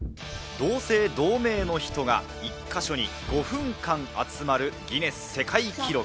同姓同名の人が１か所に５分間集まるギネス世界記録。